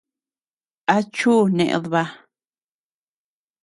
¿A chuu ned baa?